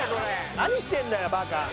何してんだよバカ！